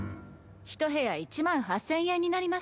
ひと部屋１万８０００円になります。